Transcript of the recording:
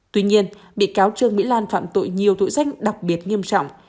tuy nhiên bị cáo trương mỹ lan phạm tội nhiều thủ danh đặc biệt nghiêm trọng